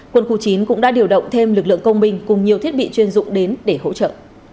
quân khu chín cũng đã điều động thêm lực lượng công binh cùng nhiều thiết bị chuyên dụng đến để hỗ trợ